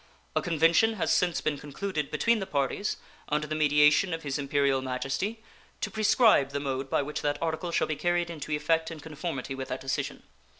A convention has since been concluded between the parties, under the mediation of His Imperial Majesty, to prescribe the mode by which that article shall be carried into effect in conformity with that decision.